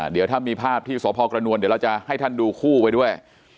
เดี๋ยวถ้ามีภาพที่สพกระนวลเดี๋ยวเราจะให้ท่านดูคู่ไปด้วย